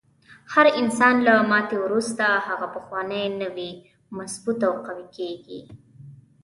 هر انسان له ماتې وروسته هغه پخوانی نه وي، مضبوط او قوي کیږي.